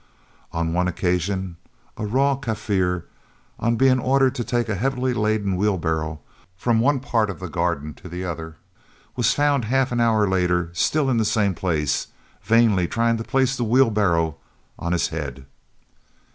On one occasion a "raw" Kaffir, on being ordered to take a heavily laden wheelbarrow from one part of the garden to the other, was found half an hour later, still in the same place, vainly trying to place the wheelbarrow on his head!